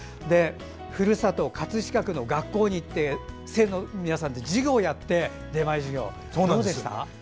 ふるさと、葛飾区の学校に行って生徒の皆さんと授業をやってどうでした？